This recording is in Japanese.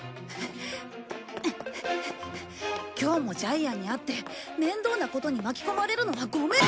今日もジャイアンに会って面倒なことに巻き込まれるのはごめん。